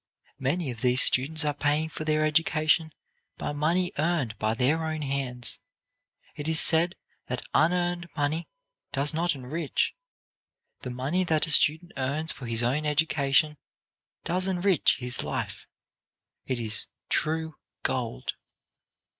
Many of these students are paying for their education by money earned by their own hands. It is said that unearned money does not enrich. The money that a student earns for his own education does enrich his life. It is true gold.